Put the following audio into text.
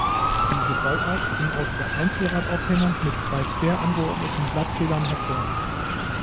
Diese Bauart ging aus der Einzelradaufhängung mit zwei quer angeordneten Blattfedern hervor.